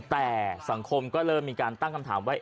แต่สังคมก็เริ่มมีการตั้งคำถามว่า